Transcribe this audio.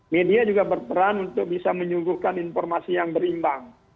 media juga berperan untuk bisa menyuguhkan informasi yang berimbang